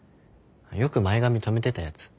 よく前髪とめてたやつ。